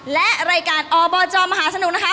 และรายการอบจมหาสนุกนะคะ